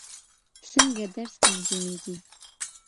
څنګه درس تنظیمېږي؟